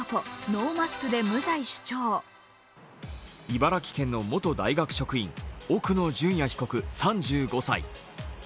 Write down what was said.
茨城県の元大学職員、奥野淳也被告３５歳。